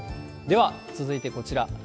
では続いてこちら。